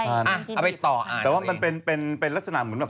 แต่ว่ามันเป็นลักษณะเหมือนแบบ